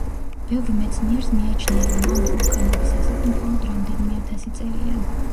ბევრ მეცნიერს მიაჩნია, რომ ამ ვულკანების ასაკი მხოლოდ რამდენიმე ათასი წელია.